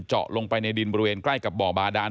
ลงไปในดินบริเวณใกล้กับบ่อบาดาน